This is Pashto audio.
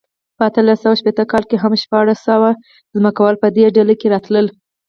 په اتلس سوه شپېته کال کې هم شپاړس ځمکوال په دې ډله کې راتلل.